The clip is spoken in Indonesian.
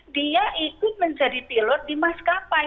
dia ikut menjadi pilot di maskapai